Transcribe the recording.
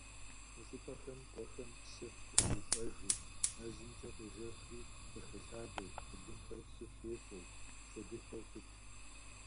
Мы щӀыпӀэхэм, къуэхэм псы къыщыщӀэжу, мэзымкӀэ къежэхри къыхэлъадэу, былымхэр псы щефэу шэдылъэу щытщ.